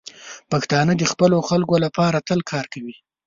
پښتانه د خپلو خلکو لپاره تل کار کوي.